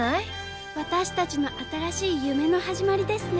私たちの新しい夢の始まりですね。